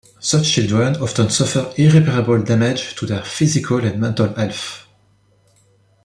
Such children often suffer irreparable damage to their physical and mental health.